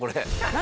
何？